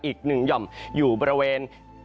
อีกหนึ่งหย่อมอยู่บริเวณ